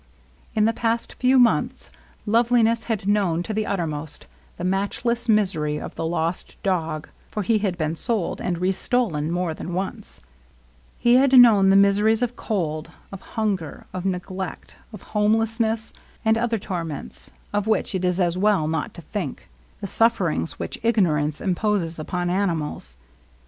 In the past few months Loveliness had known to the uttermost the matchless misery of the lost dog (for he had been sold and restolen more than once) ; he had known the miseries of cold, of hun ger, of neglect, of homelessness, and other torments of which it is as well not to think ; the sufferings which ignorance imposes upon animals.